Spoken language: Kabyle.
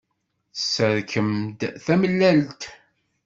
Tesserkem-d tamellalt.